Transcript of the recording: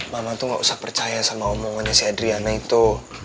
mama tuh gak usah percaya sama omongannya sedriana itu